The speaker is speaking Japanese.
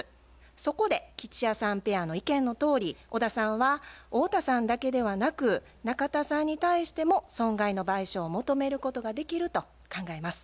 そこで吉弥さんペアの意見のとおり小田さんは太田さんだけではなく中田さんに対しても損害の賠償を求めることができると考えます。